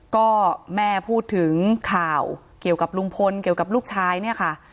ก็แม่พูดถึงข่าวเกี่ยวกับลุงพลเกี่ยวกับลูกชายเนี่ยค่ะ